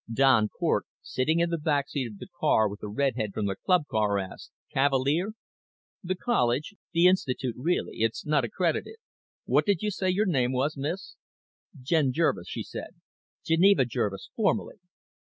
Don Cort, sitting in the back seat of the car with the redhead from the club car, asked, "Cavalier?" "The college. The institute, really; it's not accredited. What did you say your name was, miss?" "Jen Jervis," she said. "Geneva Jervis, formally."